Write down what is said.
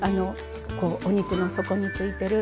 お肉の底についてる